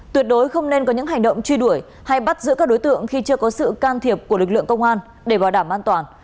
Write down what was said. tuyệt đối không nên có những hành động truy đuổi hay bắt giữ các đối tượng khi chưa có sự can thiệp của lực lượng công an để bảo đảm an toàn